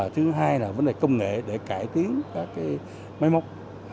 thứ hai là vấn đề công nghệ để cải tiến các máy móc